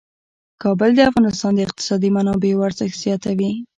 کابل د افغانستان د اقتصادي منابعو ارزښت زیاتوي.